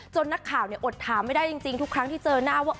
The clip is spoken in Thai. นักข่าวอดถามไม่ได้จริงทุกครั้งที่เจอหน้าว่า